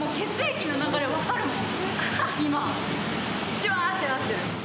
じわってなってる。